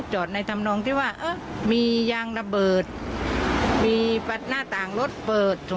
หมายถึงว่าก็ออกมาออกมาก็ให้ไปโทรหาตำรวจ